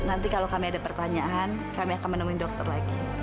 nanti kalau kami ada pertanyaan kami akan menemui dokter lagi